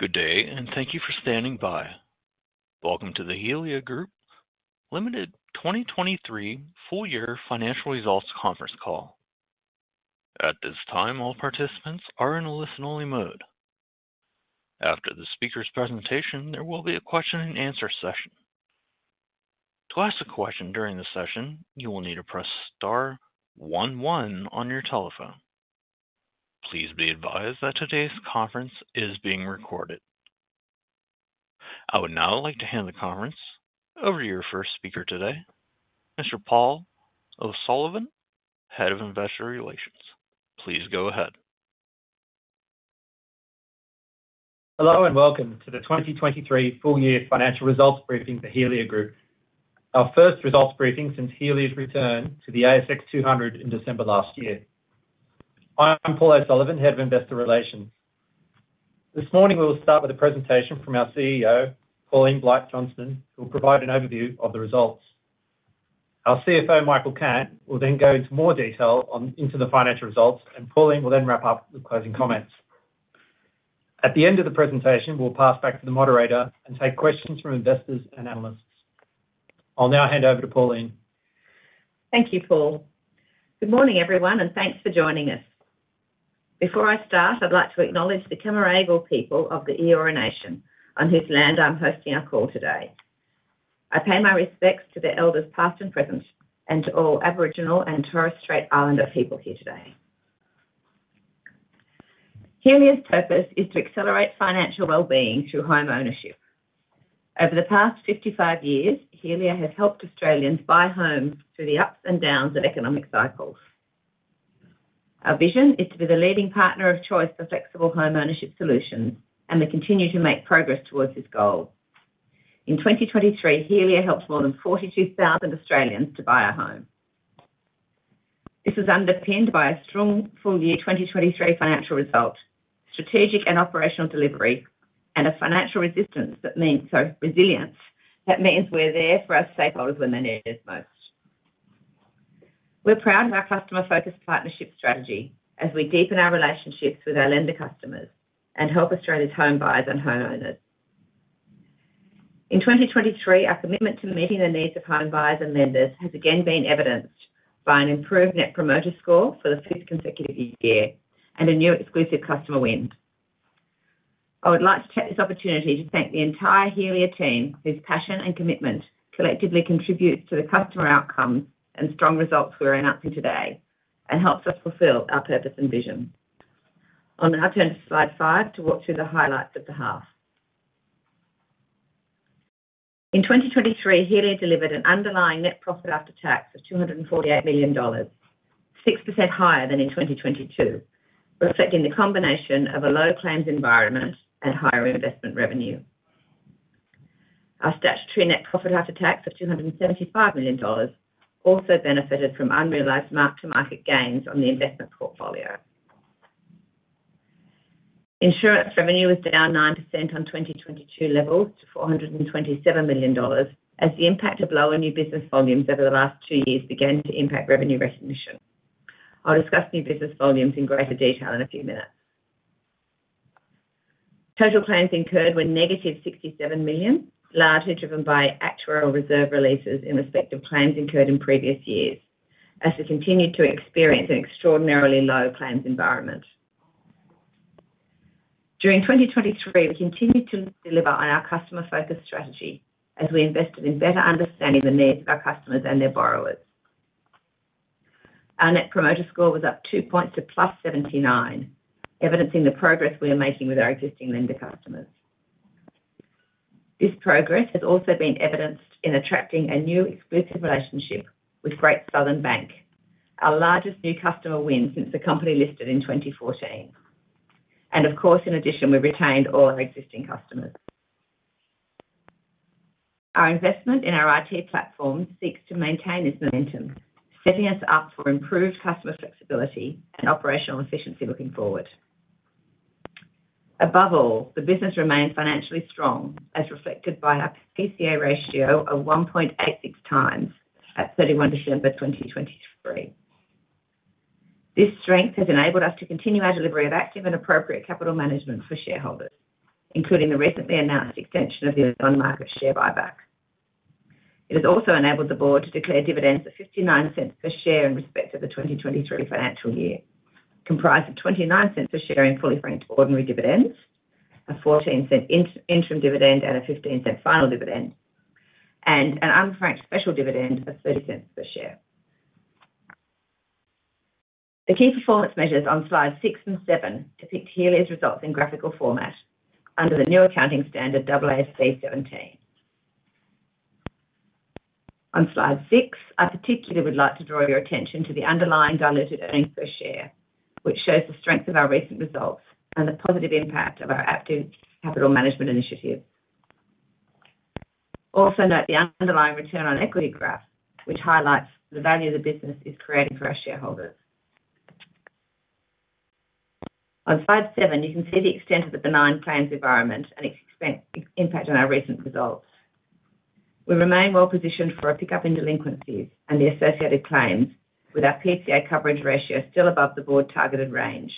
Good day, and thank you for standing by. Welcome to the Helia Group Limited 2023 full year financial results conference call. At this time, all participants are in a listen-only mode. After the speaker's presentation, there will be a question and answer session. To ask a question during the session, you will need to press star one one on your telephone. Please be advised that today's conference is being recorded. I would now like to hand the conference over to your first speaker today, Mr. Paul O'Sullivan, Head of Investor Relations. Please go ahead. Hello, and welcome to the 2023 full year financial results briefing for Helia Group, our first results briefing since Helia's return to the ASX 200 in December last year. I'm Paul O'Sullivan, Head of Investor Relations. This morning, we will start with a presentation from our CEO, Pauline Blight-Johnston, who will provide an overview of the results. Our CFO, Michael Cant, will then go into more detail into the financial results, and Pauline will then wrap up with closing comments. At the end of the presentation, we'll pass back to the moderator and take questions from investors and analysts. I'll now hand over to Pauline. Thank you, Paul. Good morning, everyone, and thanks for joining us. Before I start, I'd like to acknowledge the Cammeraygal people of the Eora Nation, on whose land I'm hosting our call today. I pay my respects to the elders, past and present, and to all Aboriginal and Torres Strait Islander people here today. Helia's purpose is to accelerate financial well-being through homeownership. Over the past 55 years, Helia has helped Australians buy homes through the ups and downs of economic cycles. Our vision is to be the leading partner of choice for flexible homeownership solutions, and we continue to make progress towards this goal. In 2023, Helia helped more than 42,000 Australians to buy a home. This was underpinned by a strong full year 2023 financial result, strategic and operational delivery, and a financial resistance that means... Sorry, resilience, that means we're there for our stakeholders when they're needed most. We're proud of our customer-focused partnership strategy as we deepen our relationships with our lender customers and help Australia's home buyers and homeowners. In 2023, our commitment to meeting the needs of home buyers and lenders has again been evidenced by an improved Net Promoter Score for the sixth consecutive year and a new exclusive customer win. I would like to take this opportunity to thank the entire Helia team, whose passion and commitment collectively contributes to the customer outcome and strong results we're announcing today and helps us fulfill our purpose and vision. I'll now turn to slide five to walk through the highlights of the half. In 2023, Helia delivered an underlying net profit after tax of $248 million, 6% higher than in 2022, reflecting the combination of a low claims environment and higher investment revenue. Our statutory net profit after tax of $275 million also benefited from unrealized mark-to-market gains on the investment portfolio. Insurance revenue was down 9% on 2022 levels to $427 million, as the impact of lower new business volumes over the last two years began to impact revenue recognition. I'll discuss new business volumes in greater detail in a few minutes. Total claims incurred were -$67 million, largely driven by actuarial reserve releases in respect of claims incurred in previous years, as we continued to experience an extraordinarily low claims environment. During 2023, we continued to deliver on our customer-focused strategy as we invested in better understanding the needs of our customers and their borrowers. Our Net Promoter Score was up two points to +79, evidencing the progress we are making with our existing lender customers. This progress has also been evidenced in attracting a new exclusive relationship with Great Southern Bank, our largest new customer win since the company listed in 2014. Of course, in addition, we retained all our existing customers. Our investment in our IT platform seeks to maintain this momentum, setting us up for improved customer flexibility and operational efficiency looking forward. Above all, the business remains financially strong, as reflected by our PCA ratio of 1.86x at 31 December 2023. This strength has enabled us to continue our delivery of active and appropriate capital management for shareholders, including the recently announced extension of the on-market share buyback. It has also enabled the board to declare dividends of 0.59 per share in respect of the 2023 financial year, comprised of $0.29 per share in fully franked ordinary dividends, a $0.14 interim dividend, and a $0.15 final dividend, and an unfranked special dividend of 0.30 per share. The key performance measures on slides six and seven depict Helia's results in graphical format under the new accounting standard, AASB 17. On slide six I particularly would like to draw your attention to the underlying diluted earnings per share, which shows the strength of our recent results and the positive impact of our active capital management initiative. Also note the underlying return on equity graph, which highlights the value the business is creating for our shareholders. On slide seven, you can see the extent of the benign claims environment and its expected impact on our recent results. We remain well positioned for a pick-up in delinquencies and the associated claims, with our PCA coverage ratio still above the board targeted range,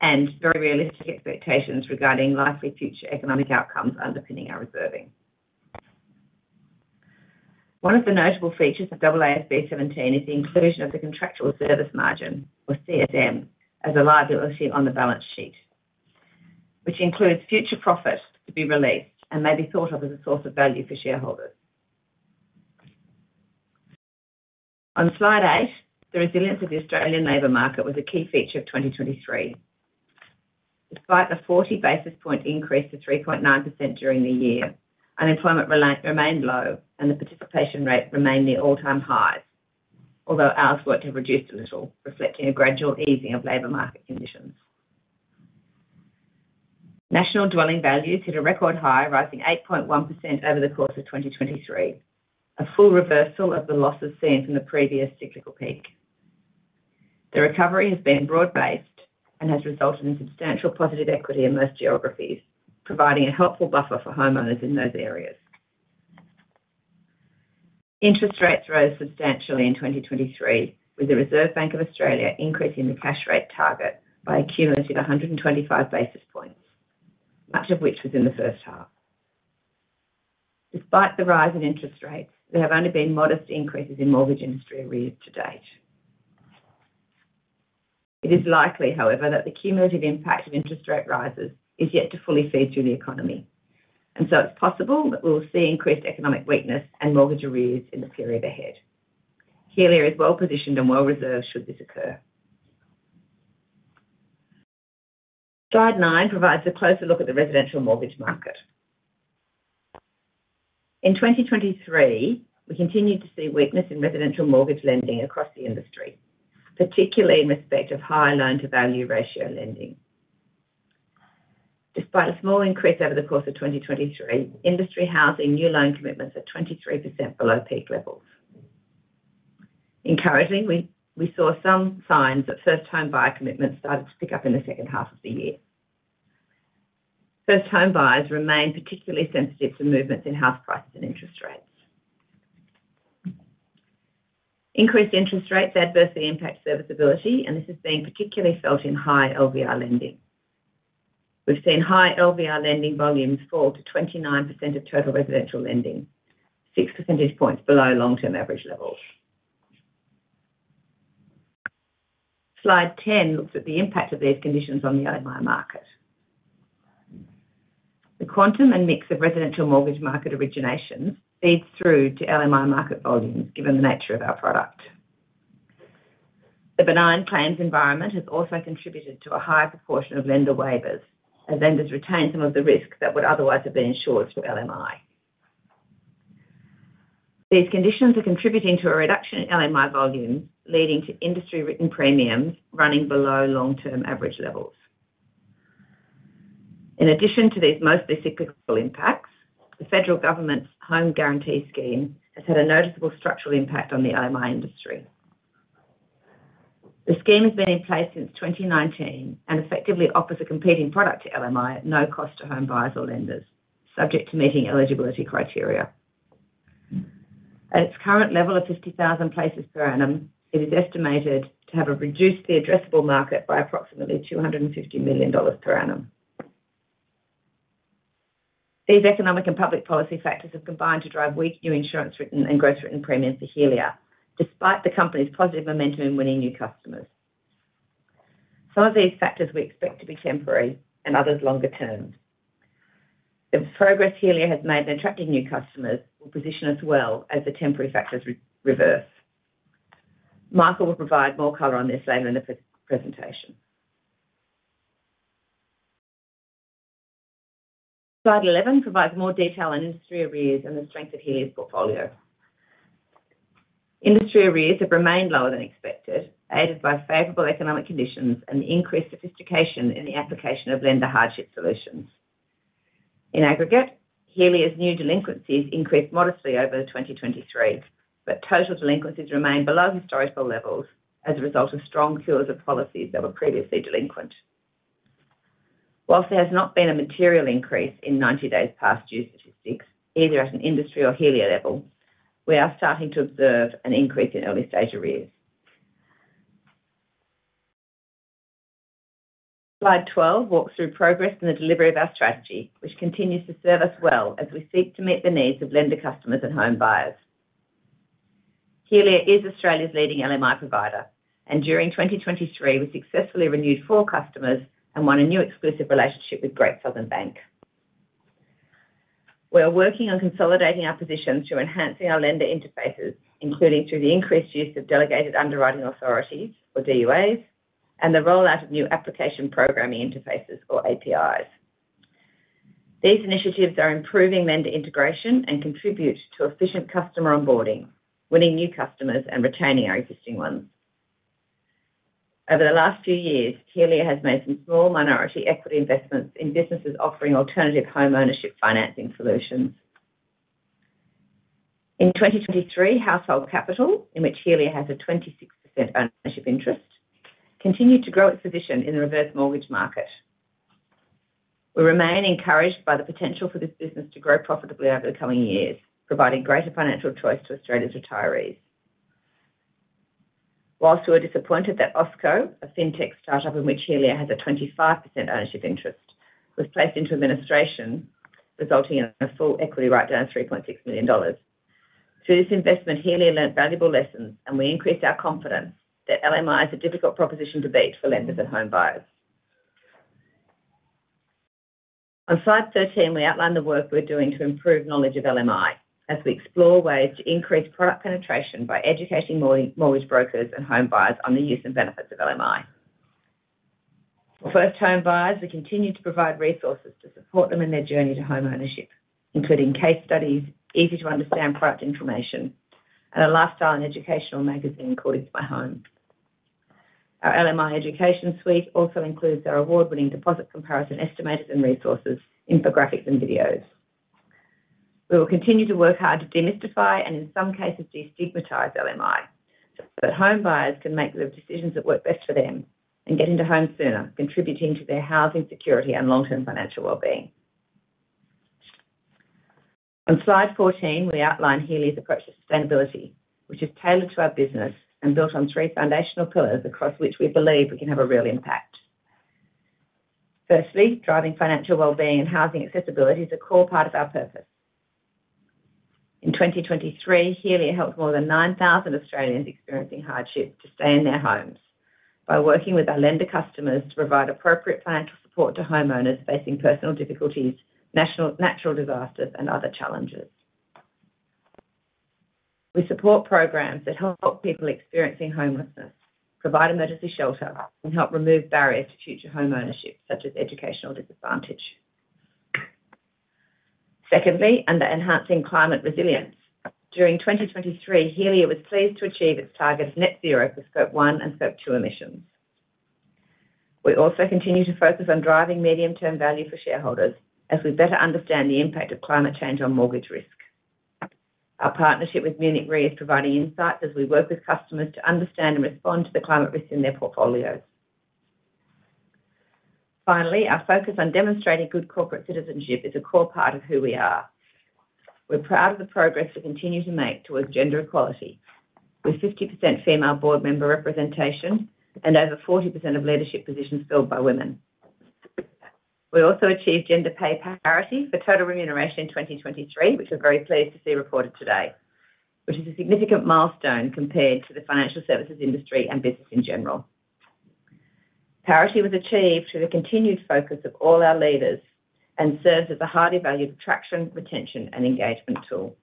and very realistic expectations regarding likely future economic outcomes underpinning our reserving. One of the notable features of AASB 17 is the inclusion of the contractual service margin, or CSM, as a liability on the balance sheet, which includes future profits to be released and may be thought of as a source of value for shareholders. On Slide eight, the resilience of the Australian labor market was a key feature of 2023. Despite the 40 basis points increase to 3.9% during the year, unemployment remained low and the participation rate remained near all-time highs, although hours worked have reduced a little, reflecting a gradual easing of labor market conditions. National dwelling values hit a record high, rising 8.1% over the course of 2023, a full reversal of the losses seen from the previous cyclical peak. The recovery has been broad-based and has resulted in substantial positive equity in most geographies, providing a helpful buffer for homeowners in those areas. Interest rates rose substantially in 2023, with the Reserve Bank of Australia increasing the cash rate target by a cumulative 125 basis points, much of which was in the first half. Despite the rise in interest rates, there have only been modest increases in mortgage industry arrears to date. It is likely, however, that the cumulative impact of interest rate rises is yet to fully feed through the economy, and so it's possible that we will see increased economic weakness and mortgage arrears in the period ahead. Helia is well-positioned and well-reserved, should this occur. Slide nine provides a closer look at the residential mortgage market. In 2023, we continued to see weakness in residential mortgage lending across the industry, particularly in respect of high loan-to-value ratio lending. Despite a small increase over the course of 2023, industry housing new loan commitments are 23% below peak levels. Encouragingly, we saw some signs that first-time buyer commitments started to pick up in the second half of the year. First-time buyers remain particularly sensitive to movements in house prices and interest rates. Increased interest rates adversely impact serviceability, and this has been particularly felt in high LVR lending. We've seen high LVR lending volumes fall to 29% of total residential lending, six percentage points below long-term average levels. Slide 10 looks at the impact of these conditions on the LMI market. The quantum and mix of residential mortgage market originations feeds through to LMI market volumes, given the nature of our product. The benign claims environment has also contributed to a higher proportion of lender waivers, as lenders retain some of the risk that would otherwise have been insured through LMI. These conditions are contributing to a reduction in LMI volume, leading to industry-written premiums running below long-term average levels. In addition to these mostly cyclical impacts, the federal government's Home Guarantee Scheme has had a noticeable structural impact on the LMI industry. The scheme has been in place since 2019, and effectively offers a competing product to LMI at no cost to home buyers or lenders, subject to meeting eligibility criteria. At its current level of 50,000 places per annum, it is estimated to have reduced the addressable market by approximately $250 million per annum. These economic and public policy factors have combined to drive weak new insurance written and gross written premiums for Helia, despite the company's positive momentum in winning new customers. Some of these factors we expect to be temporary, and others longer term. The progress Helia has made in attracting new customers will position us well as the temporary factors re-reverse. Michael will provide more color on this later in the pre-presentation. Slide 11 provides more detail on industry arrears and the strength of Helia's portfolio. Industry arrears have remained lower than expected, aided by favorable economic conditions and increased sophistication in the application of lender hardship solutions. In aggregate, Helia's new delinquencies increased modestly over 2023, but total delinquencies remain below historical levels as a result of strong cures of policies that were previously delinquent. While there has not been a material increase in 90 days past due statistics, either at an industry or Helia level, we are starting to observe an increase in early-stage arrears. Slide 12 walks through progress in the delivery of our strategy, which continues to serve us well as we seek to meet the needs of lenders, customers, and home buyers. Helia is Australia's leading LMI provider, and during 2023, we successfully renewed four customers and won a new exclusive relationship with Great Southern Bank. We are working on consolidating our position through enhancing our lender interfaces, including through the increased use of delegated underwriting authorities, or DUAs, and the rollout of new application programming interfaces, or APIs. These initiatives are improving lender integration and contribute to efficient customer onboarding, winning new customers, and retaining our existing ones. Over the last few years, Helia has made some small minority equity investments in businesses offering alternative homeownership financing solutions. In 2023, Household Capital, in which Helia has a 26% ownership interest, continued to grow its position in the reverse mortgage market. We remain encouraged by the potential for this business to grow profitably over the coming years, providing greater financial choice to Australia's retirees. While we're disappointed that Osiko, a fintech startup in which Helia has a 25% ownership interest, was placed into administration, resulting in a full equity write-down of $3.6 million. Through this investment, Helia learned valuable lessons, and we increased our confidence that LMI is a difficult proposition to beat for lenders and homebuyers. On slide 13, we outline the work we're doing to improve knowledge of LMI as we explore ways to increase product penetration by educating mortgage brokers and homebuyers on the use and benefits of LMI. For first-time buyers, we continue to provide resources to support them in their journey to homeownership, including case studies, easy-to-understand product information, and a lifestyle and educational magazine called My Home. Our LMI education suite also includes our award-winning deposit comparison estimators and resources, infographics, and videos. We will continue to work hard to demystify and, in some cases, destigmatize LMI, so that homebuyers can make the decisions that work best for them and get into homes sooner, contributing to their housing security and long-term financial well-being. On Slide 14, we outline Helia's approach to sustainability, which is tailored to our business and built on three foundational pillars across which we believe we can have a real impact. Firstly, driving financial wellbeing and housing accessibility is a core part of our purpose. In 2023, Helia helped more than 9,000 Australians experiencing hardship to stay in their homes by working with our lender customers to provide appropriate financial support to homeowners facing personal difficulties, natural disasters, and other challenges. We support programs that help people experiencing homelessness, provide emergency shelter, and help remove barriers to future homeownership, such as educational disadvantage. Secondly, under enhancing climate resilience. During 2023, Helia was pleased to achieve its target of net zero for Scope 1 and Scope 2 emissions. We also continue to focus on driving medium-term value for shareholders as we better understand the impact of climate change on mortgage risk. Our partnership with Munich Re is providing insights as we work with customers to understand and respond to the climate risk in their portfolios. Finally, our focus on demonstrating good corporate citizenship is a core part of who we are. We're proud of the progress we continue to make towards gender equality, with 50% female board member representation and over 40% of leadership positions filled by women. We also achieved gender pay parity for total remuneration in 2023, which we're very pleased to see reported today, which is a significant milestone compared to the financial services industry and business in general. Parity was achieved through the continued focus of all our leaders and serves as a highly valued attraction, retention, and engagement tool.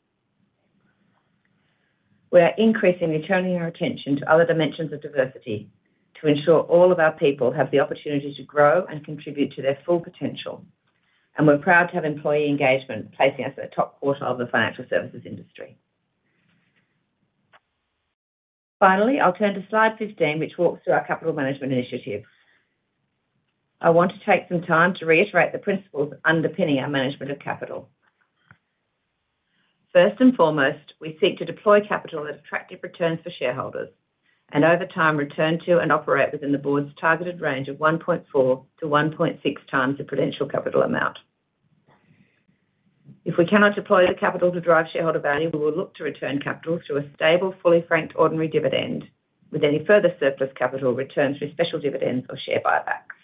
We are increasingly turning our attention to other dimensions of diversity to ensure all of our people have the opportunity to grow and contribute to their full potential, and we're proud to have employee engagement, placing us in the top quarter of the financial services industry. Finally, I'll turn to slide 15, which walks through our capital management initiatives. I want to take some time to reiterate the principles underpinning our management of capital. First and foremost, we seek to deploy capital at attractive returns for shareholders, and over time, return to and operate within the board's targeted range of 1.4-1.6x the Prudential Capital Amount. If we cannot deploy the capital to drive shareholder value, we will look to return capital to a stable, fully franked ordinary dividend, with any further surplus capital returned through special dividends or share buybacks.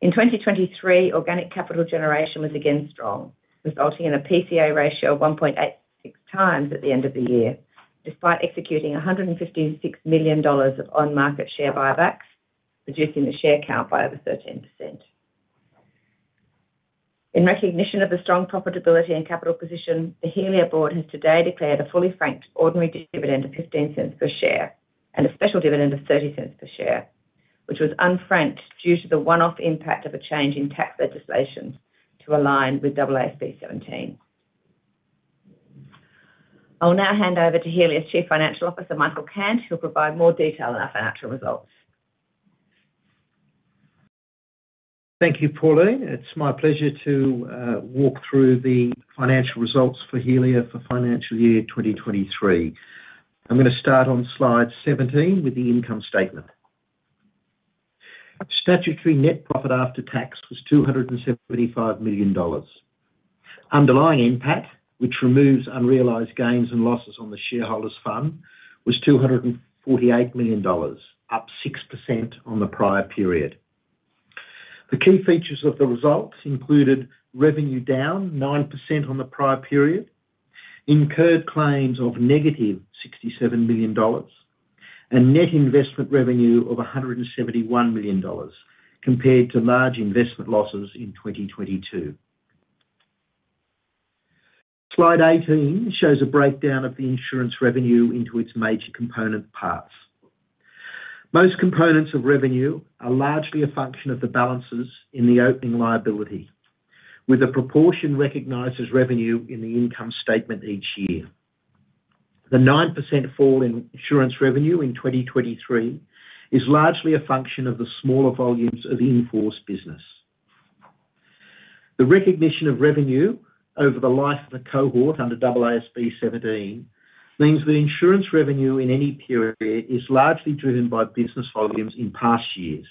In 2023, organic capital generation was again strong, resulting in a PCA ratio of 1.86x at the end of the year, despite executing $156 million of on-market share buybacks, reducing the share count by over 13%. In recognition of the strong profitability and capital position, the Helia board has today declared a fully franked ordinary dividend of $0.15 per share and a special dividend of $0.30 per share, which was unfranked due to the one-off impact of a change in tax legislation to align with AASB 17. I'll now hand over to Helia's Chief Financial Officer, Michael Cant, who'll provide more detail on our financial results. Thank you, Pauline. It's my pleasure to walk through the financial results for Helia for financial year 2023. I'm gonna start on slide 17 with the income statement. Statutory net profit after tax was $275 million. Underlying NPAT, which removes unrealized gains and losses on the shareholders fund, was $248 million, up 6% on the prior period. The key features of the results included revenue down 9% on the prior period, incurred claims of -$67 million, and net investment revenue of $171 million compared to large investment losses in 2022. Slide 18 shows a breakdown of the insurance revenue into its major component parts. Most components of revenue are largely a function of the balances in the opening liability, with a proportion recognized as revenue in the income statement each year. The 9% fall in insurance revenue in 2023 is largely a function of the smaller volumes of in-force business. The recognition of revenue over the life of a cohort under AASB 17 means that insurance revenue in any period is largely driven by business volumes in past years.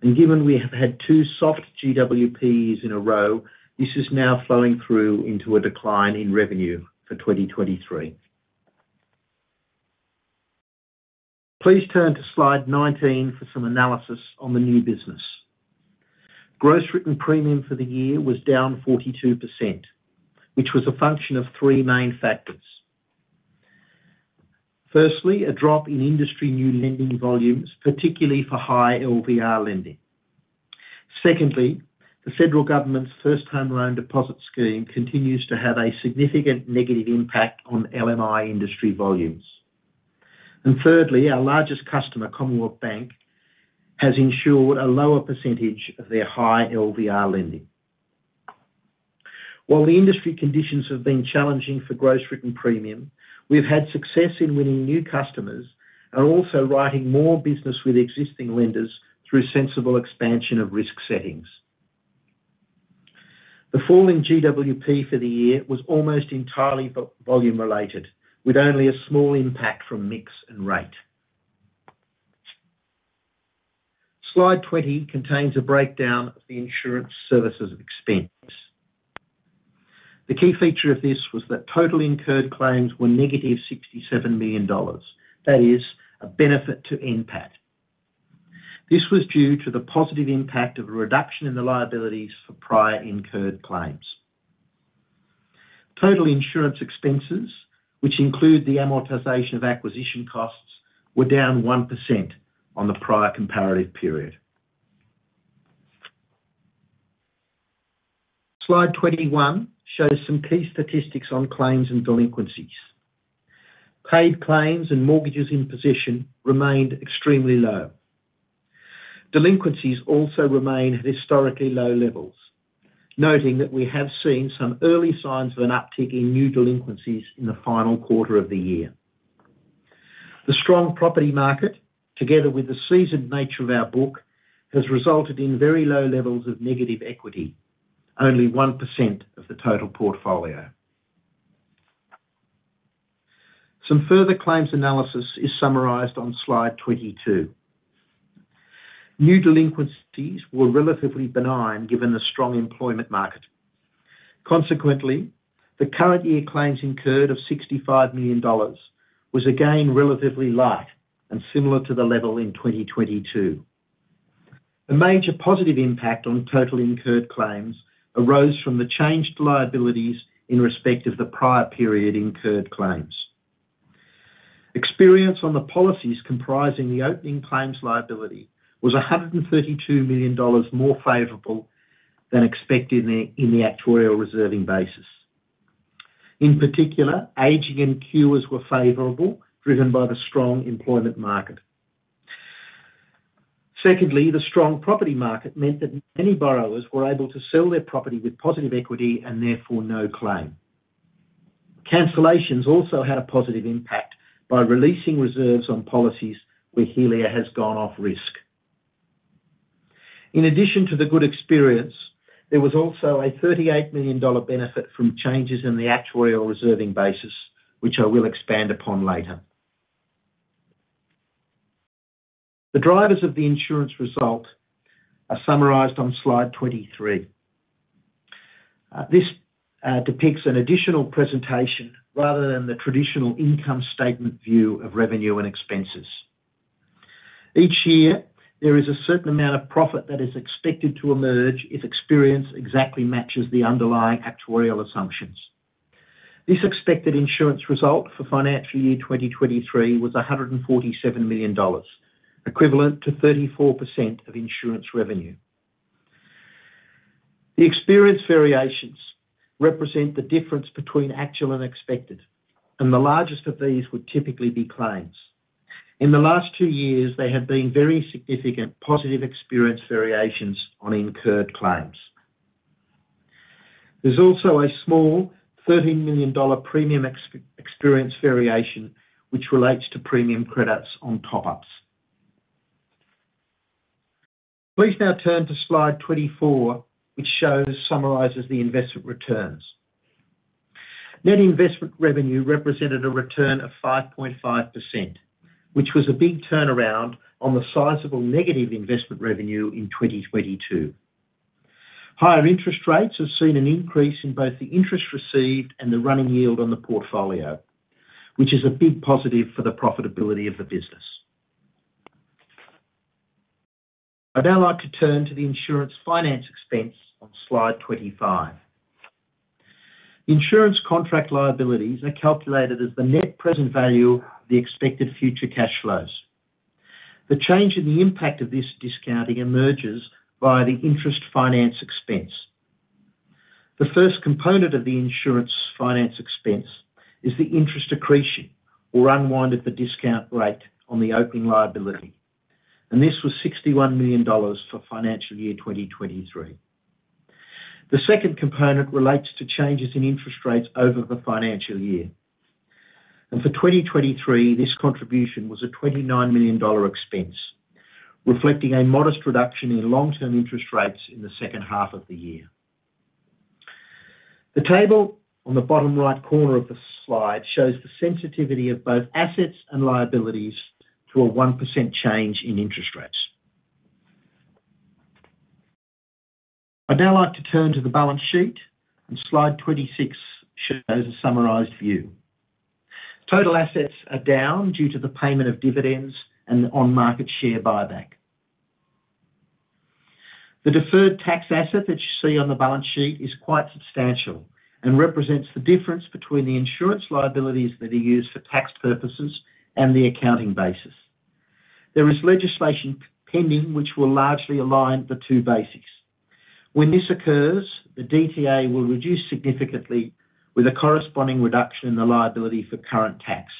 And given we have had two soft GWPs in a row, this is now flowing through into a decline in revenue for 2023. Please turn to Slide 19 for some analysis on the new business. Gross written premium for the year was down 42%, which was a function of three main factors: firstly, a drop in industry new lending volumes, particularly for high LVR lending. Secondly, the federal government's first home loan deposit scheme continues to have a significant negative impact on LMI industry volumes. And thirdly, our largest customer, Commonwealth Bank, has insured a lower percentage of their high LVR lending. While the industry conditions have been challenging for gross written premium, we've had success in winning new customers and also writing more business with existing lenders through sensible expansion of risk settings. The fall in GWP for the year was almost entirely volume related, with only a small impact from mix and rate. Slide 20 contains a breakdown of the insurance services expense. The key feature of this was that total incurred claims were -$67 million. That is a benefit to NPAT. This was due to the positive impact of a reduction in the liabilities for prior incurred claims. Total insurance expenses, which include the amortization of acquisition costs, were down 1% on the prior comparative period. Slide 21 shows some key statistics on claims and delinquencies. Paid claims and mortgages in position remained extremely low. Delinquencies also remain at historically low levels, noting that we have seen some early signs of an uptick in new delinquencies in the final quarter of the year. The strong property market, together with the seasoned nature of our book, has resulted in very low levels of negative equity, only 1% of the total portfolio. Some further claims analysis is summarized on Slide 22. New delinquencies were relatively benign, given the strong employment market. Consequently, the current year claims incurred of $65 million was, again, relatively light and similar to the level in 2022. The major positive impact on total incurred claims arose from the changed liabilities in respect of the prior period incurred claims. Experience on the policies comprising the opening claims liability was $132 million more favorable than expected in the actuarial reserving basis. In particular, aging and cures were favorable, driven by the strong employment market. Secondly, the strong property market meant that many borrowers were able to sell their property with positive equity and therefore no claim. Cancellations also had a positive impact by releasing reserves on policies where Helia has gone off risk. In addition to the good experience, there was also an $38 million benefit from changes in the actuarial reserving basis, which I will expand upon later. The drivers of the insurance result are summarized on Slide 23. This depicts an additional presentation rather than the traditional income statement view of revenue and expenses. Each year, there is a certain amount of profit that is expected to emerge if experience exactly matches the underlying actuarial assumptions. This expected insurance result for financial year 2023 was $147 million, equivalent to 34% of insurance revenue. The experience variations represent the difference between actual and expected, and the largest of these would typically be claims. In the last two years, there have been very significant positive experience variations on incurred claims. There's also a small $13 million premium experience variation, which relates to premium credits on top ups. Please now turn to Slide 24, which summarizes the investment returns. Net investment revenue represented a return of 5.5%, which was a big turnaround on the sizable negative investment revenue in 2022. Higher interest rates have seen an increase in both the interest received and the running yield on the portfolio, which is a big positive for the profitability of the business. I'd now like to turn to the insurance finance expense on Slide 25. Insurance contract liabilities are calculated as the net present value of the expected future cash flows. The change in the impact of this discounting emerges via the interest finance expense. The first component of the insurance finance expense is the interest accretion or unwind of the discount rate on the opening liability, and this was $61 million for financial year 2023. The second component relates to changes in interest rates over the financial year… And for 2023, this contribution was a $29 million expense, reflecting a modest reduction in long-term interest rates in the second half of the year. The table on the bottom right corner of the slide shows the sensitivity of both assets and liabilities to a 1% change in interest rates. I'd now like to turn to the balance sheet, and Slide 26 shows a summarized view. Total assets are down due to the payment of dividends and on-market share buyback. The deferred tax asset that you see on the balance sheet is quite substantial and represents the difference between the insurance liabilities that are used for tax purposes and the accounting basis. There is legislation pending, which will largely align the two bases. When this occurs, the DTA will reduce significantly with a corresponding reduction in the liability for current tax,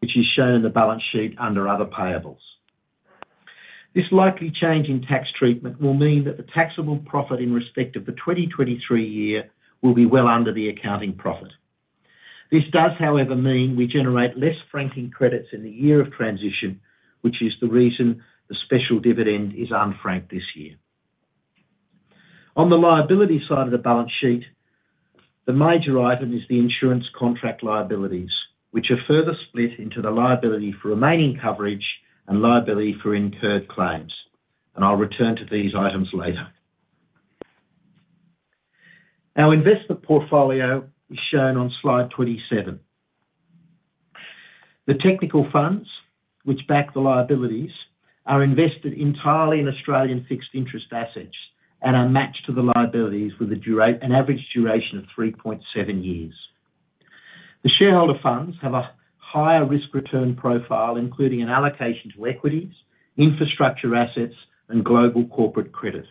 which is shown in the balance sheet under other payables. This likely change in tax treatment will mean that the taxable profit in respect of the 2023 year will be well under the accounting profit. This does, however, mean we generate less franking credits in the year of transition, which is the reason the special dividend is unfranked this year. On the liability side of the balance sheet, the major item is the insurance contract liabilities, which are further split into the liability for remaining coverage and liability for incurred claims, and I'll return to these items later. Our investment portfolio is shown on Slide 27. The technical funds, which back the liabilities, are invested entirely in Australian fixed interest assets and are matched to the liabilities with an average duration of 3.7 years. The shareholder funds have a higher risk return profile, including an allocation to equities, infrastructure assets, and global corporate credit.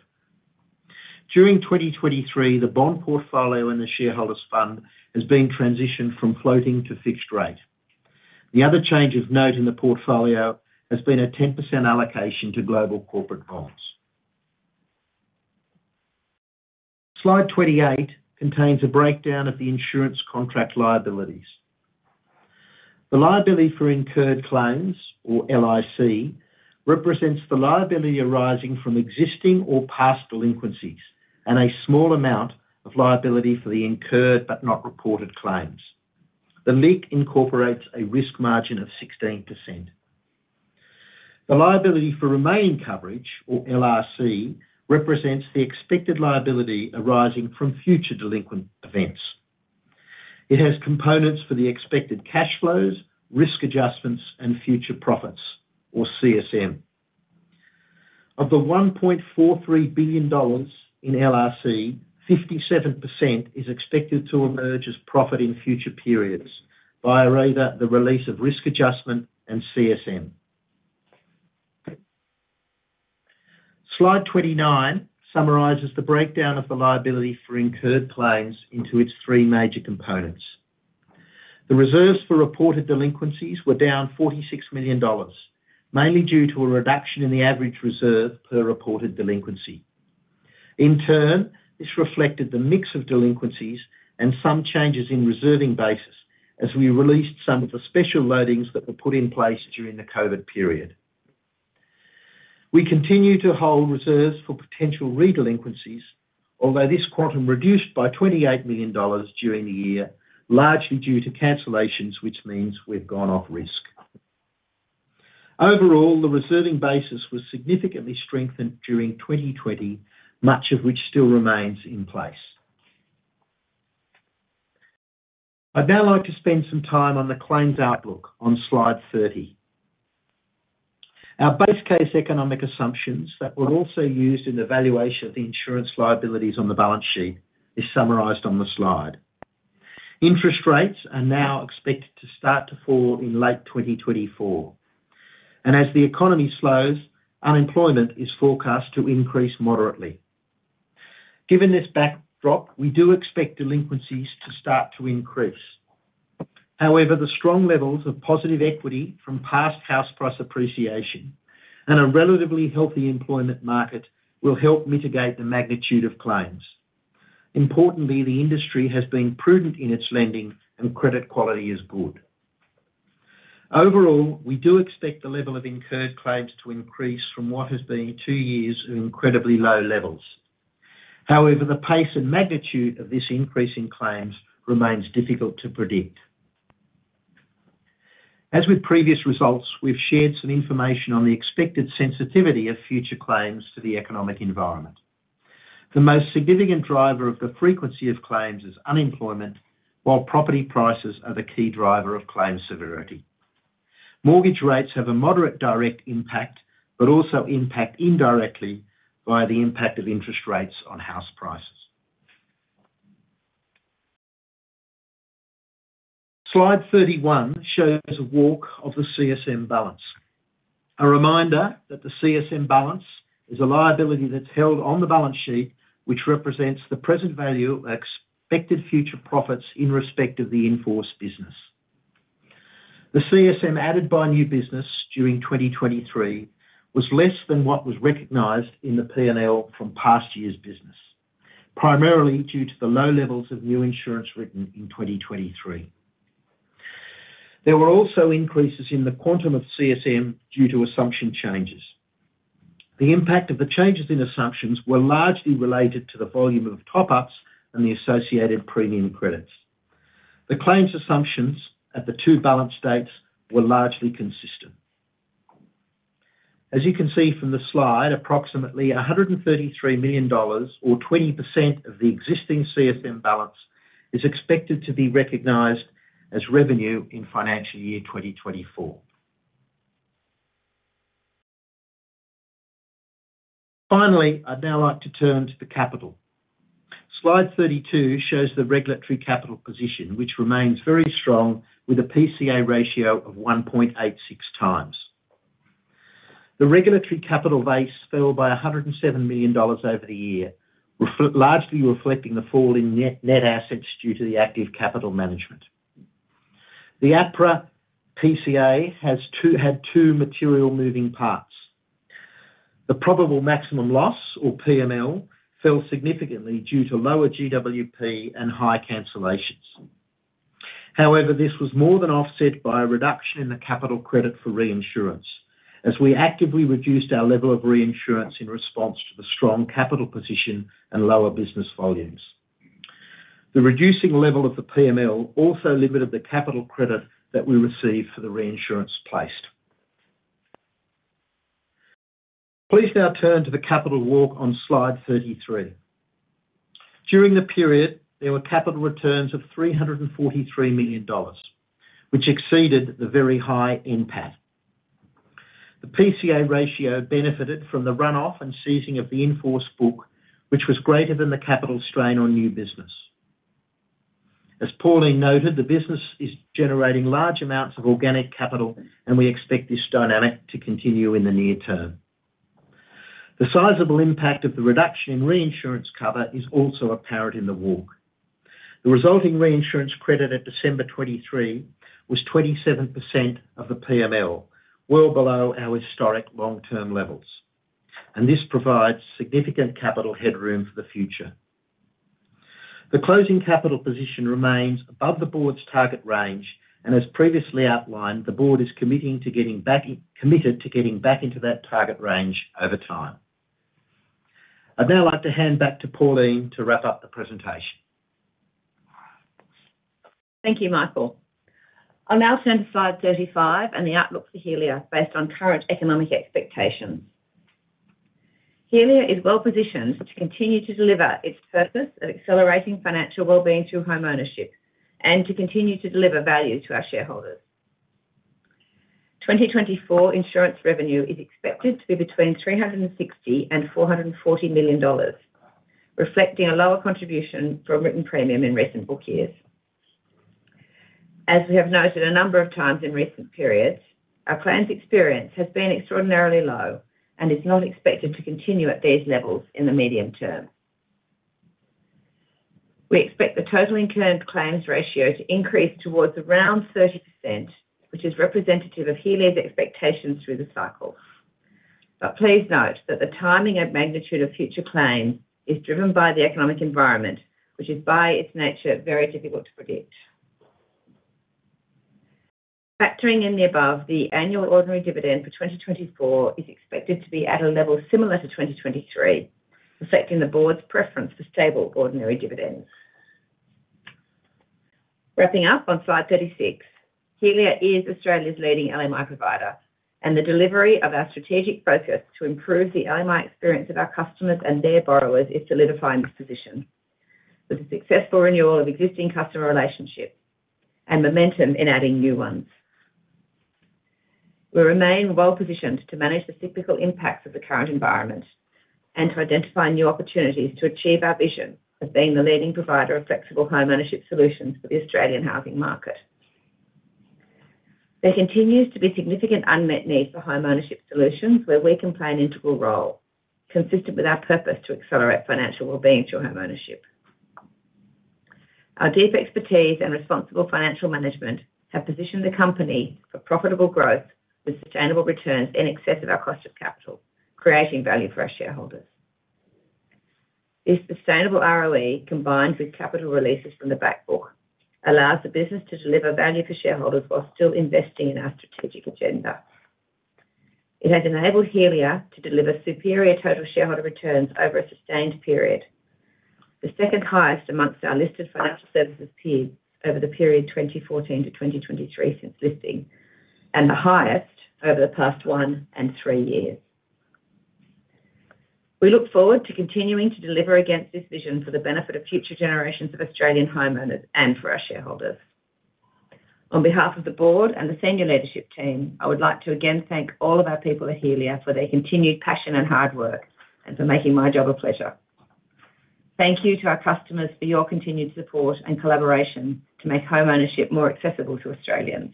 During 2023, the bond portfolio in the shareholders fund has been transitioned from floating to fixed rate. The other change of note in the portfolio has been a 10% allocation to global corporate bonds. Slide 28 contains a breakdown of the insurance contract liabilities. The liability for incurred claims, or LIC, represents the liability arising from existing or past delinquencies, and a small amount of liability for the incurred but not reported claims. The LIC incorporates a risk margin of 16%. The liability for remaining coverage, or LRC, represents the expected liability arising from future delinquent events. It has components for the expected cash flows, risk adjustments, and future profits, or CSM. Of the $1.43 billion in LRC, 57% is expected to emerge as profit in future periods via either the release of risk adjustment and CSM. Slide 29 summarizes the breakdown of the liability for incurred claims into its three major components. The reserves for reported delinquencies were down $46 million, mainly due to a reduction in the average reserve per reported delinquency. In turn, this reflected the mix of delinquencies and some changes in reserving basis, as we released some of the special loadings that were put in place during the COVID period. We continue to hold reserves for potential re-delinquencies, although this quantum reduced by $28 million during the year, largely due to cancellations, which means we've gone off risk. Overall, the reserving basis was significantly strengthened during 2020, much of which still remains in place. I'd now like to spend some time on the claims outlook on Slide 30. Our base case economic assumptions that were also used in the valuation of the insurance liabilities on the balance sheet is summarized on the slide. Interest rates are now expected to start to fall in late 2024, and as the economy slows, unemployment is forecast to increase moderately. Given this backdrop, we do expect delinquencies to start to increase. However, the strong levels of positive equity from past house price appreciation and a relatively healthy employment market will help mitigate the magnitude of claims. Importantly, the industry has been prudent in its lending, and credit quality is good. Overall, we do expect the level of incurred claims to increase from what has been two years of incredibly low levels. However, the pace and magnitude of this increase in claims remains difficult to predict. As with previous results, we've shared some information on the expected sensitivity of future claims to the economic environment. The most significant driver of the frequency of claims is unemployment, while property prices are the key driver of claims severity. Mortgage rates have a moderate direct impact, but also impact indirectly via the impact of interest rates on house prices. Slide 31 shows a walk of the CSM balance. A reminder that the CSM balance is a liability that's held on the balance sheet, which represents the present value of expected future profits in respect of the in-force business. The CSM added by new business during 2023 was less than what was recognized in the P&L from past years' business, primarily due to the low levels of new insurance written in 2023. There were also increases in the quantum of CSM due to assumption changes. The impact of the changes in assumptions were largely related to the volume of top-ups and the associated premium credits. The claims assumptions at the two balance dates were largely consistent. As you can see from the slide, approximately 133 million dollars, or 20% of the existing CSM balance, is expected to be recognized as revenue in financial year 2024. Finally, I'd now like to turn to the capital. Slide 32 shows the regulatory capital position, which remains very strong, with a PCA ratio of 1.86 times. The regulatory capital base fell by $107 million over the year, largely reflecting the fall in net assets due to the active capital management. The APRA PCA had two material moving parts. The probable maximum loss, or PML, fell significantly due to lower GWP and high cancellations. However, this was more than offset by a reduction in the capital credit for reinsurance, as we actively reduced our level of reinsurance in response to the strong capital position and lower business volumes. The reducing level of the PML also limited the capital credit that we received for the reinsurance placed. Please now turn to the capital walk on slide 33. During the period, there were capital returns of $343 million, which exceeded the very high NPAT. The PCA ratio benefited from the run-off and ceasing of the in-force book, which was greater than the capital strain on new business. As Pauline noted, the business is generating large amounts of organic capital, and we expect this dynamic to continue in the near term. The sizable impact of the reduction in reinsurance cover is also apparent in the walk. The resulting reinsurance credit at December 2023 was 27% of the PML, well below our historic long-term levels, and this provides significant capital headroom for the future. The closing capital position remains above the board's target range, and as previously outlined, the board is committed to getting back into that target range over time. I'd now like to hand back to Pauline to wrap up the presentation. Thank you, Michael. I'll now turn to slide 35 and the outlook for Helia based on current economic expectations. Helia is well positioned to continue to deliver its purpose of accelerating financial wellbeing through homeownership, and to continue to deliver value to our shareholders. 2024 insurance revenue is expected to be between $360 million and $440 million, reflecting a lower contribution from written premium in recent book years. As we have noted a number of times in recent periods, our claims experience has been extraordinarily low and is not expected to continue at these levels in the medium term. We expect the total incurred claims ratio to increase towards around 30%, which is representative of Helia's expectations through the cycle. But please note that the timing and magnitude of future claim is driven by the economic environment, which is, by its nature, very difficult to predict. Factoring in the above, the annual ordinary dividend for 2024 is expected to be at a level similar to 2023, reflecting the board's preference for stable ordinary dividends. Wrapping up on slide 36, Helia is Australia's leading LMI provider, and the delivery of our strategic focus to improve the LMI experience of our customers and their borrowers is solidifying this position, with the successful renewal of existing customer relationships and momentum in adding new ones. We remain well positioned to manage the cyclical impacts of the current environment and to identify new opportunities to achieve our vision of being the leading provider of flexible homeownership solutions for the Australian housing market. There continues to be significant unmet need for homeownership solutions, where we can play an integral role, consistent with our purpose to accelerate financial wellbeing through homeownership. Our deep expertise and responsible financial management have positioned the company for profitable growth with sustainable returns in excess of our cost of capital, creating value for our shareholders. This sustainable ROE, combined with capital releases from the back book, allows the business to deliver value for shareholders while still investing in our strategic agenda. It has enabled Helia to deliver superior total shareholder returns over a sustained period, the second highest amongst our listed financial services peers over the period 2014-2023 since listing, and the highest over the past one and three years. We look forward to continuing to deliver against this vision for the benefit of future generations of Australian homeowners and for our shareholders. On behalf of the board and the senior leadership team, I would like to again thank all of our people at Helia for their continued passion and hard work, and for making my job a pleasure. Thank you to our customers for your continued support and collaboration to make homeownership more accessible to Australians.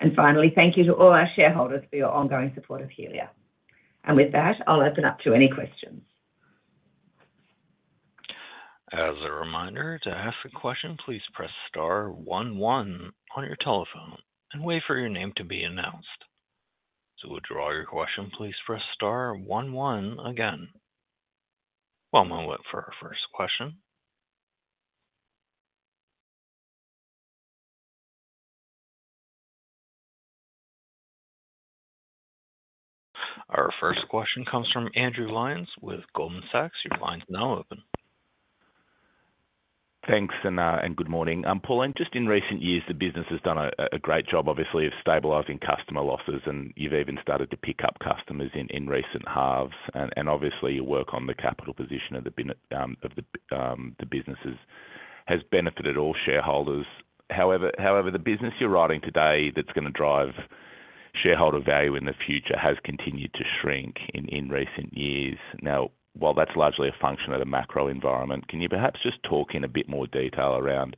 And finally, thank you to all our shareholders for your ongoing support of Helia. With that, I'll open up to any questions. As a reminder, to ask a question, please press star one one on your telephone and wait for your name to be announced.... So to withdraw your question, please press star one one again. One moment for our first question. Our first question comes from Andrew Lyons with Goldman Sachs. Your line's now open. Thanks, and good morning. Pauline, just in recent years, the business has done a great job, obviously, of stabilizing customer losses, and you've even started to pick up customers in recent halves. And obviously, your work on the capital position of the businesses has benefited all shareholders. However, the business you're riding today that's gonna drive shareholder value in the future has continued to shrink in recent years. Now, while that's largely a function of the macro environment, can you perhaps just talk in a bit more detail around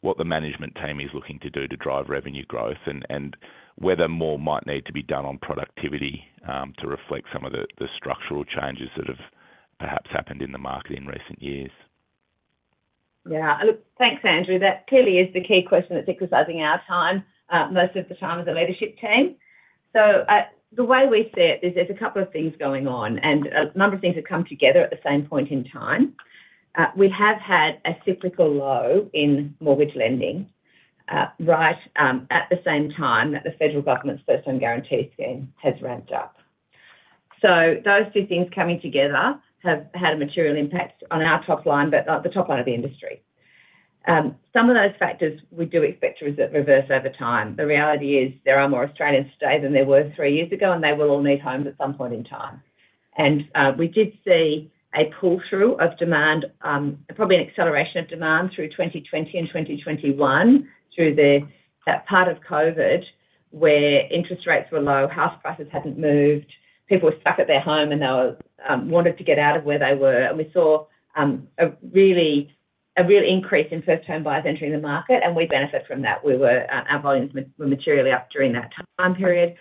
what the management team is looking to do to drive revenue growth, and whether more might need to be done on productivity, to reflect some of the structural changes that have perhaps happened in the market in recent years? Yeah. Look, thanks, Andrew. That clearly is the key question that's exercising our time, most of the time as a leadership team. So, the way we see it is there's a couple of things going on, and a number of things have come together at the same point in time. We have had a cyclical low in mortgage lending, right, at the same time that the federal government's First Home Guarantee Scheme has ramped up. So those two things coming together have had a material impact on our top line, but, the top line of the industry. Some of those factors we do expect to reverse over time. The reality is, there are more Australians today than there were three years ago, and they will all need homes at some point in time. We did see a pull-through of demand, probably an acceleration of demand through 2020 and 2021, through that part of COVID, where interest rates were low, house prices hadn't moved, people were stuck at their home, and they wanted to get out of where they were. We saw a real increase in first-time buyers entering the market, and we benefit from that. Our volumes were materially up during that time period.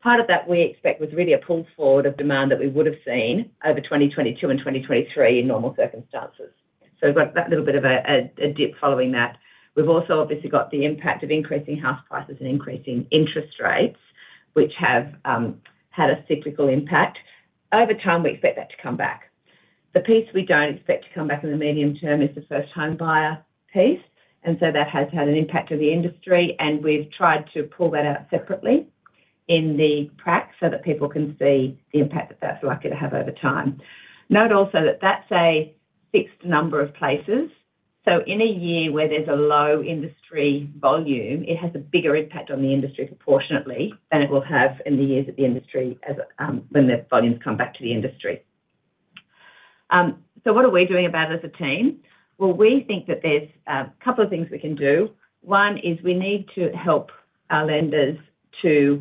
Part of that, we expect, was really a pull forward of demand that we would've seen over 2022 and 2023 in normal circumstances. So we've got that little bit of a dip following that. We've also obviously got the impact of increasing house prices and increasing interest rates, which have had a cyclical impact. Over time, we expect that to come back. The piece we don't expect to come back in the medium term is the first homebuyer piece, and so that has had an impact on the industry, and we've tried to pull that out separately in the PRAC so that people can see the impact that that's likely to have over time. Note also that that's a fixed number of places, so in a year where there's a low industry volume, it has a bigger impact on the industry proportionately than it will have in the years that the industry as, when the volumes come back to the industry. So what are we doing about it as a team? Well, we think that there's a couple of things we can do. One is we need to help our lenders to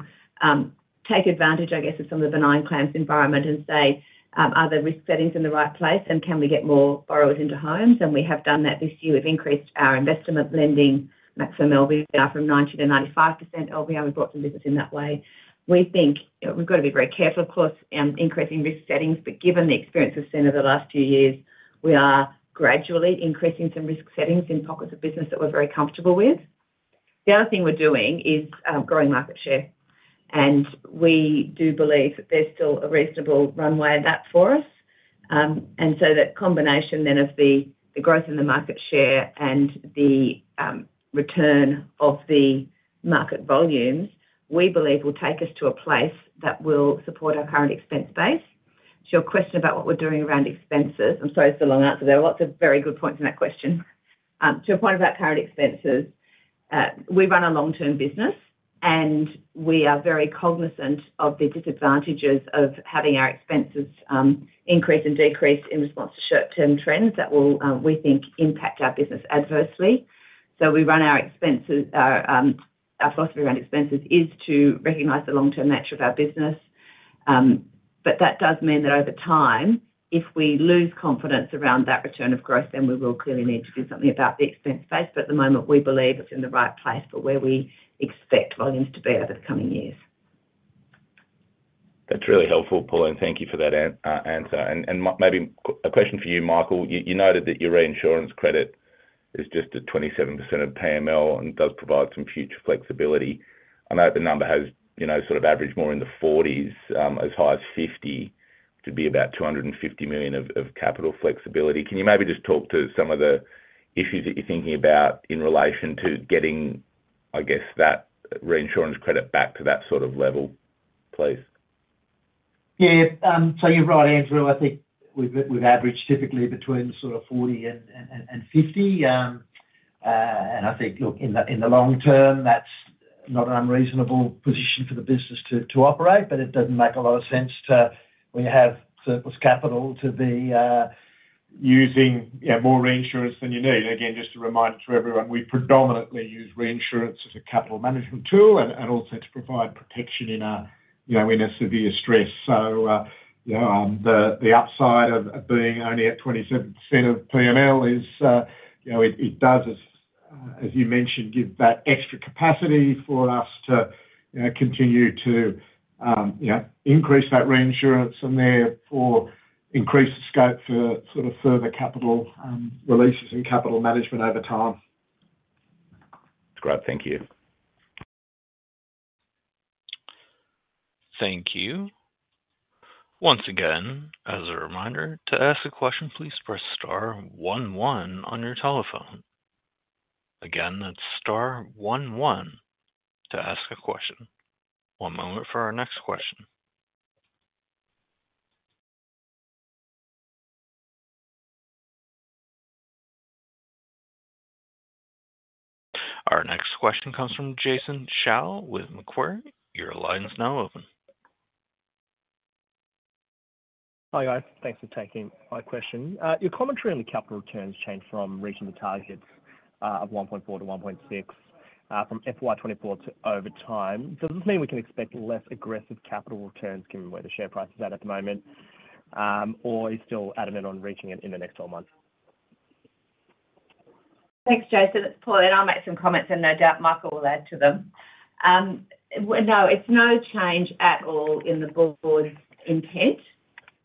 take advantage, I guess, of some of the benign claims environment and say, are the risk settings in the right place, and can we get more borrowers into homes? And we have done that this year. We've increased our investment lending, max LVR down from 90-95% LVR. We've brought some business in that way. We think, you know, we've got to be very careful, of course, increasing risk settings, but given the experience we've seen over the last few years, we are gradually increasing some risk settings in pockets of business that we're very comfortable with. The other thing we're doing is growing market share, and we do believe that there's still a reasonable runway of that for us. And so that combination then of the, the growth in the market share and the, return of the market volumes, we believe will take us to a place that will support our current expense base. To your question about what we're doing around expenses, I'm sorry for the long answer there. There are lots of very good points in that question. To your point about current expenses, we run a long-term business, and we are very cognizant of the disadvantages of having our expenses, increase and decrease in response to short-term trends that will, we think, impact our business adversely. So we run our expenses, our philosophy around expenses is to recognize the long-term nature of our business. But that does mean that over time, if we lose confidence around that return of growth, then we will clearly need to do something about the expense base. But at the moment, we believe it's in the right place for where we expect volumes to be over the coming years. That's really helpful, Pauline, thank you for that answer. And maybe a question for you, Michael. You noted that your reinsurance credit is just at 27% of PML and does provide some future flexibility. I know the number has, you know, sort of averaged more in the 40s, as high as 50, to be about $250 million of capital flexibility. Can you maybe just talk to some of the issues that you're thinking about in relation to getting, I guess, that reinsurance credit back to that sort of level, please? Yeah. So you're right, Andrew. I think we've averaged typically between sort of 40 and 50. And I think, look, in the long term, that's not an unreasonable position for the business to operate, but it doesn't make a lot of sense to, when you have surplus capital, to be using, you know, more reinsurance than you need. Again, just a reminder to everyone, we predominantly use reinsurance as a capital management tool and also to provide protection in a, you know, in a severe stress. So, you know, the upside of being only at 27% of PML is, you know, it does, as you mentioned, give that extra capacity for us to, you know, continue to, you know, increase that reinsurance from there or increase the scope for sort of further capital releases and capital management over time. Great. Thank you. Thank you. Once again, as a reminder, to ask a question, please press star one one on your telephone. Again, that's star one one to ask a question. One moment for our next question. Our next question comes from Jason Shao with Macquarie. Your line is now open. Hi, guys. Thanks for taking my question. Your commentary on the capital returns changed from reaching the targets of 1.4-1.6 from FY 2024 to over time. Does this mean we can expect less aggressive capital returns given where the share price is at at the moment, or are you still adamant on reaching it in the next 12 months? Thanks, Jason. It's Pauline, I'll make some comments, and no doubt Michael will add to them. Well, no, it's no change at all in the board's intent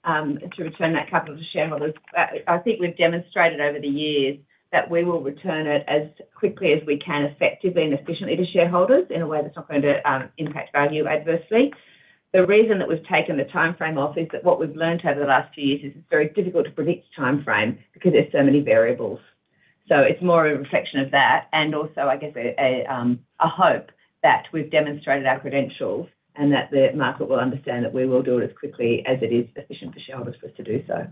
to return that capital to shareholders. I think we've demonstrated over the years that we will return it as quickly as we can, effectively and efficiently to shareholders in a way that's not going to impact value adversely. The reason that we've taken the timeframe off is that what we've learned over the last few years is it's very difficult to predict the timeframe because there's so many variables. So it's more a reflection of that and also, I guess, a hope that we've demonstrated our credentials and that the market will understand that we will do it as quickly as it is efficient for shareholders for us to do so.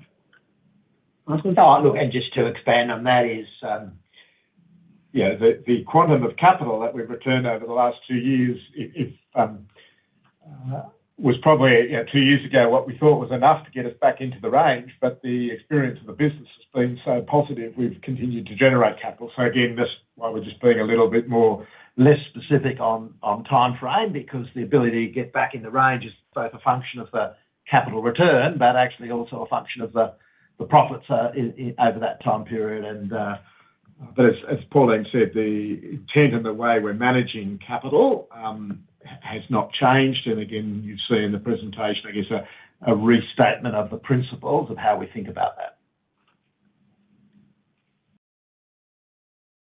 Oh, look, and just to expand on that is, yeah, the quantum of capital that we've returned over the last two years, was probably, you know, two years ago what we thought was enough to get us back into the range, but the experience of the business has been so positive, we've continued to generate capital. So again, that's why we're just being a little bit more less specific on timeframe, because the ability to get back in the range is both a function of the capital return, but actually also a function of the profits over that time period. But as Pauline said, the intent and the way we're managing capital has not changed. And again, you've seen in the presentation, I guess, a restatement of the principles of how we think about that.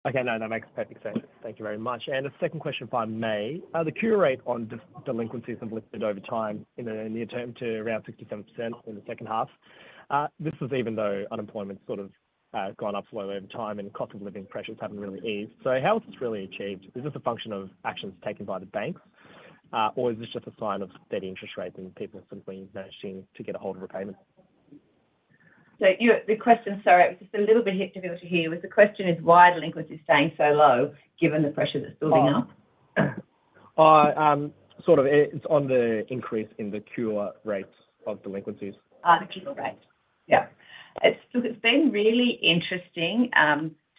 Okay. No, that makes perfect sense. Thank you very much. And a second question, if I may. The cure rate on delinquencies have lifted over time in the near term to around 67% in the second half. This is even though unemployment sort of gone up slowly over time and cost of living pressures haven't really eased. So how is this really achieved? Is this a function of actions taken by the bank, or is this just a sign of steady interest rates and people simply managing to get a hold of repayment? The question, sorry, it was just a little bit difficult to hear. Was the question is why delinquency is staying so low given the pressure that's building up? Sort of, it's on the increase in the cure rates of delinquencies. The cure rates. Yeah. It's, look, it's been really interesting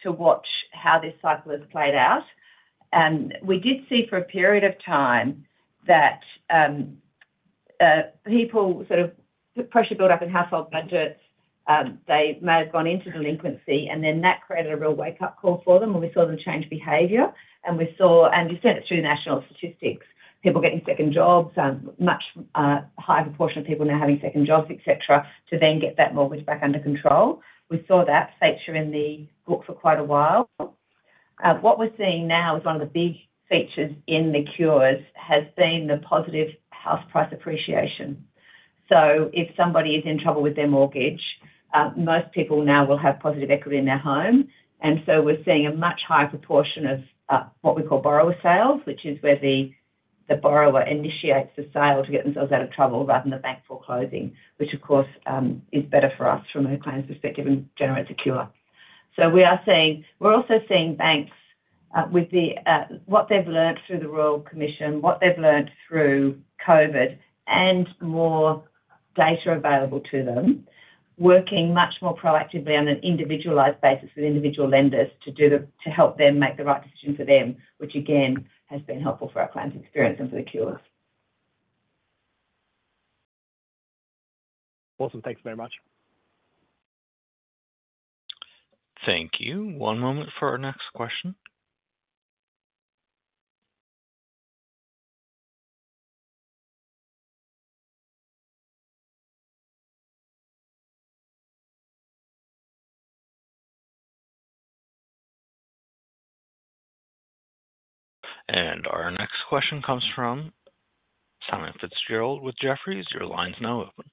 to watch how this cycle has played out. And we did see for a period of time that people, sort of, pressure built up in household budgets, they may have gone into delinquency, and then that created a real wake-up call for them, and we saw them change behavior. And we saw, and you see it through the national statistics, people getting second jobs, much higher proportion of people now having second jobs, et cetera, to then get that mortgage back under control. We saw that feature in the book for quite a while. What we're seeing now is one of the big features in the cures has been the positive house price appreciation. So if somebody is in trouble with their mortgage, most people now will have positive equity in their home, and so we're seeing a much higher proportion of what we call borrower sales, which is where the borrower initiates the sale to get themselves out of trouble rather than the bank foreclosing. Which, of course, is better for us from a claims perspective and generates a cure. So we are seeing we're also seeing banks with what they've learned through the Royal Commission, what they've learned through COVID, and more data available to them, working much more proactively on an individualized basis with individual lenders to help them make the right decision for them, which again has been helpful for our clients' experience and for the cures. Awesome. Thanks very much. Thank you. One moment for our next question. Our next question comes from Simon Fitzgerald with Jefferies. Your line's now open.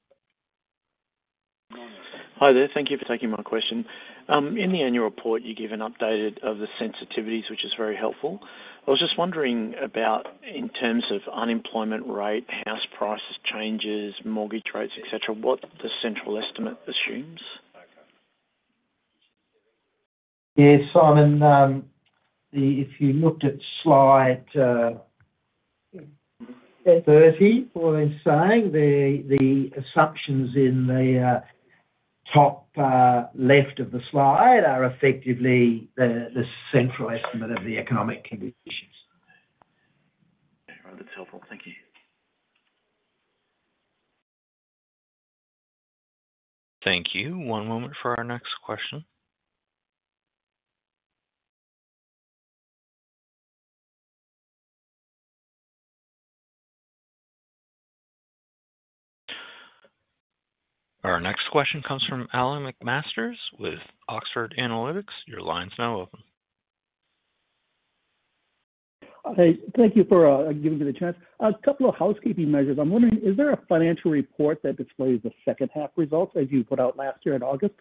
Hi there. Thank you for taking my question. In the annual report, you gave an update of the sensitivities, which is very helpful. I was just wondering about, in terms of unemployment rate, house prices changes, mortgage rates, et cetera, what the central estimate assumes? Yeah, Simon, if you looked at slide 30, Pauline's saying, the assumptions in the top left of the slide are effectively the central estimate of the economic conditions. All right, that's helpful. Thank you. Thank you. One moment for our next question. Our next question comes from Alan McMasters with Oxford Analytics. Your line's now open. Hey, thank you for giving me the chance. A couple of housekeeping measures. I'm wondering, is there a financial report that displays the second half results as you put out last year in August?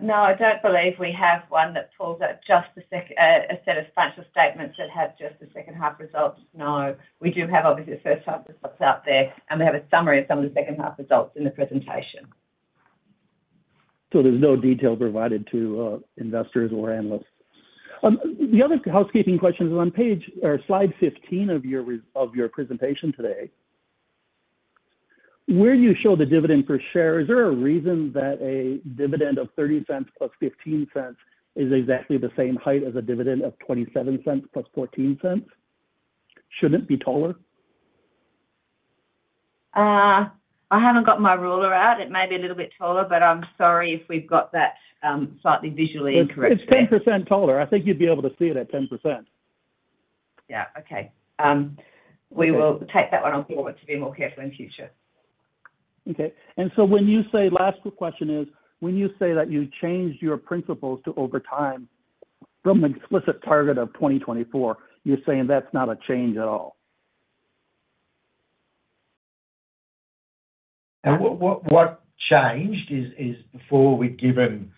No, I don't believe we have one that pulls out just a set of financial statements that have just the second half results, no. We do have, obviously, the first half that's out there, and we have a summary of some of the second half results in the presentation. There's no detail provided to investors or analysts. The other housekeeping question is on page or slide 15 of your presentation today. Where you show the dividend per share, is there a reason that a dividend of $0.30 + $0.15 is exactly the same height as a dividend of $0.27 + $0.14? Should it be taller? I haven't got my ruler out. It may be a little bit taller, but I'm sorry if we've got that, slightly visually incorrect. It's 10% taller. I think you'd be able to see it at 10%. Yeah. Okay. We will take that one on board to be more careful in future. Okay. And so when you say... last question is, when you say that you changed your principles to over time from an explicit target of 2024, you're saying that's not a change at all? And what changed is, before we'd given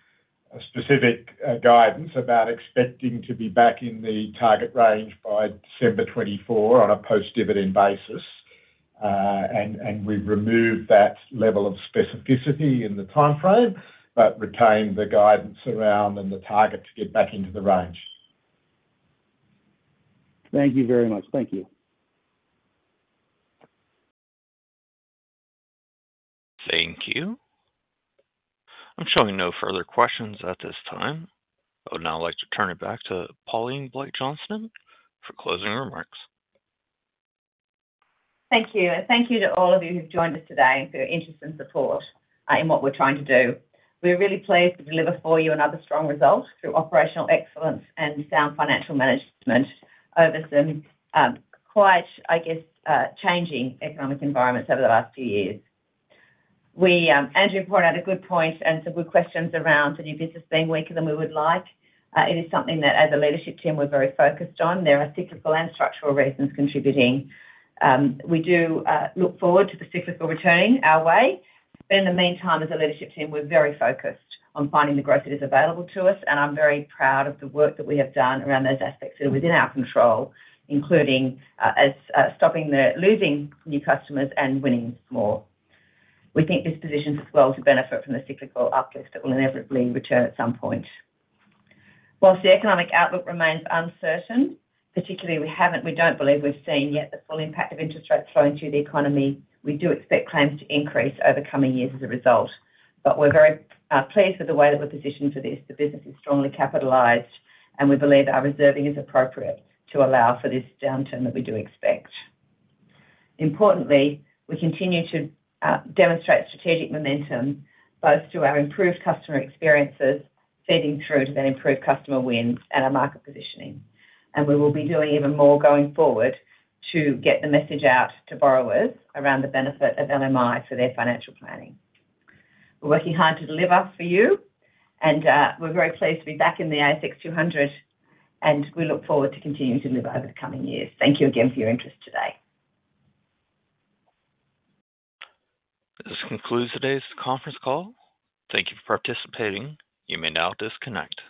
a specific guidance about expecting to be back in the target range by December 2024 on a post-dividend basis. And we've removed that level of specificity in the timeframe, but retained the guidance around and the target to get back into the range. Thank you very much. Thank you. Thank you. I'm showing no further questions at this time. I would now like to turn it back to Pauline Blight-Johnston for closing remarks. Thank you. And thank you to all of you who've joined us today, for your interest and support in what we're trying to do. We're really pleased to deliver for you another strong result through operational excellence and sound financial management over some quite, I guess, changing economic environments over the last few years. Andrew pointed out a good point and some good questions around the new business being weaker than we would like. It is something that, as a leadership team, we're very focused on. There are cyclical and structural reasons contributing. We do look forward to the cyclical returning our way. But in the meantime, as a leadership team, we're very focused on finding the growth that is available to us, and I'm very proud of the work that we have done around those aspects that are within our control, including stopping the losing new customers and winning more. We think this positions well to benefit from the cyclical uplift that will inevitably return at some point. While the economic outlook remains uncertain, particularly we haven't-- we don't believe we've seen yet the full impact of interest rates flowing through the economy, we do expect claims to increase over the coming years as a result. But we're very pleased with the way that we're positioned for this. The business is strongly capitalized, and we believe our reserving is appropriate to allow for this downturn that we do expect. Importantly, we continue to demonstrate strategic momentum, both through our improved customer experiences feeding through to the improved customer wins and our market positioning. We will be doing even more going forward to get the message out to borrowers around the benefit of LMI for their financial planning. We're working hard to deliver for you, and we're very pleased to be back in the ASX 200, and we look forward to continuing to deliver over the coming years. Thank you again for your interest today. This concludes today's conference call. Thank you for participating. You may now disconnect.